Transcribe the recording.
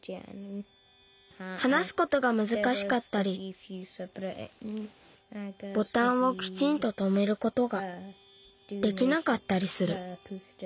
はなすことがむずかしかったりボタンをきちんととめることができなかったりする。